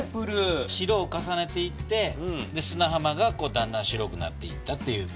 白を重ねていってすなはまがだんだん白くなっていったという。